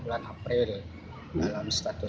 enam jatah roya lompok timur